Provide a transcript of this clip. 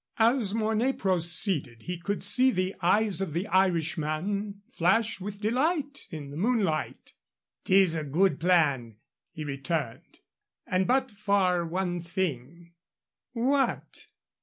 As Mornay proceeded he could see the eyes of the Irishman flash with delight in the moonlight. "'Tis a good plan," he returned, "and but for one thing " "What?"